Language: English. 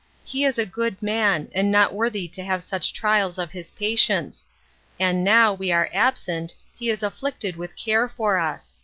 He is a good man, and not worthy to have such trials of his patience; and now, we are absent, he is afflicted with care for us.